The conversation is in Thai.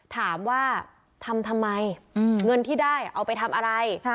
ถามว่าทำทำไมเงินที่ได้เอาไปทำอะไร